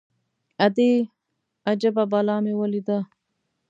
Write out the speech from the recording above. _ادې! اجبه بلا مې وليده.